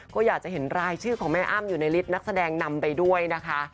ก็อยากจะเห็นรายชื่อของแม่อ้ำอยู่ในฤทธิ์นักแสดงนำไปด้วยนะคะ